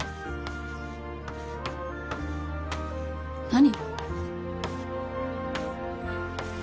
何？